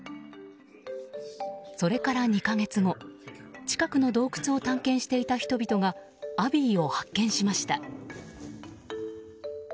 それから２か月後近くの洞窟を探検していた人々がアビーを発見しました。